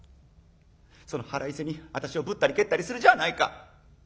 その腹いせに私をぶったり蹴ったりするじゃあないか。